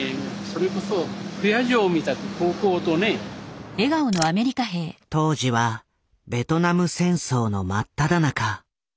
それこそ当時はベトナム戦争の真っただ中。